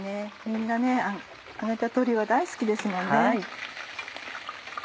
みんな揚げた鶏は大好きですもんね。